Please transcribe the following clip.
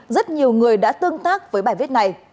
rất nhiều người đã tương tác với bài viết này